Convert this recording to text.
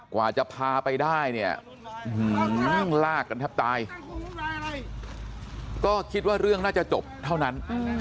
กว่าจะพาไปได้เนี่ยลากกันแทบตายก็คิดว่าเรื่องน่าจะจบเท่านั้น